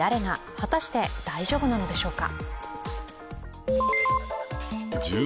果たして大丈夫なんでしょうか？